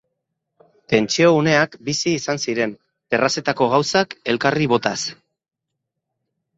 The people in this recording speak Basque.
Tentsio uneak bizi izan ziren, terrazetako gauzak elkarri botaz.